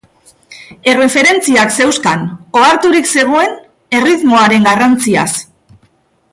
Erreferentziak zeuzkan, oharturik zegoen erritmoaren garrantziaz.